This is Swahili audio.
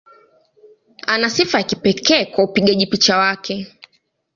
Ana sifa ya kipekee kwa upigaji picha wake.